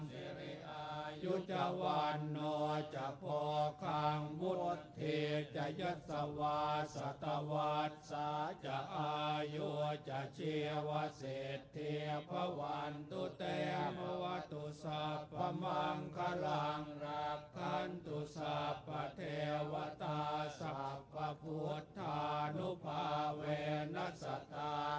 สิริอายุจวันโนจโภคังมุทธิจยัตสวะสัตวัตต์สาจอายุจเจวสิทธิภวันตุเตภวะตุสัพพะมังคลังรับคันตุสัพพะเทวตาสัพพะพุทธานุภาเวณัสตา